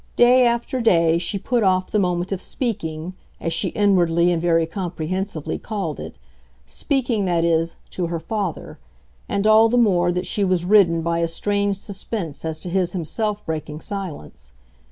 Day after day she put off the moment of "speaking," as she inwardly and very comprehensively, called it speaking, that is, to her father; and all the more that she was ridden by a strange suspense as to his himself breaking silence.